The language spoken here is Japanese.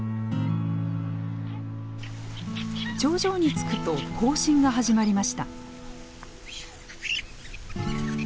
頂上に着くと行進が始まりました。